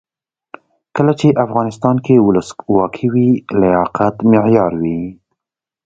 کله چې افغانستان کې ولسواکي وي لیاقت معیار وي.